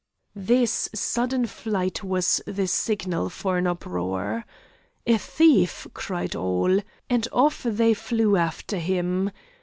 This sudden flight was the signal for an uproar. "A thief!" cried all; and off they flew after him.